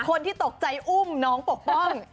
คนที่ตกใจอุ้มน้องปกป้อง